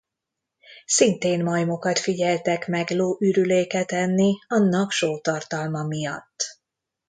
Szintén majmokat figyeltek meg ló ürülékét enni annak sótartalma miatt.